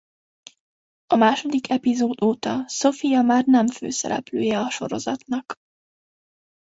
A második epizód óta Sofia már nem főszereplője a sorozatnak.